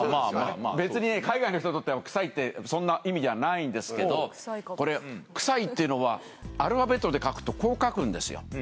別に海外の人にとってはクサイってそんな意味じゃないんですけどこれクサイっていうのはアルファベットで書くとこう書くんですよ。